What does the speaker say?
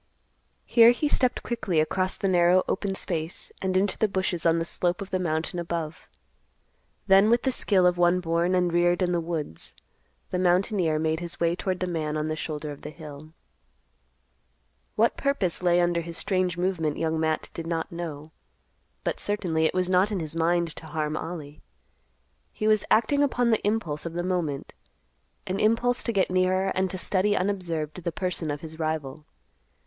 Here he stepped quickly across the narrow open space and into the bushes on the slope of the mountain above. Then with the skill of one born and reared in the woods, the mountaineer made his way toward the man on the shoulder of the hill. What purpose lay under his strange movement Young Matt did not know. But certainly it was not in his mind to harm Ollie. He was acting upon the impulse of the moment; an impulse to get nearer and to study unobserved the person of his rival.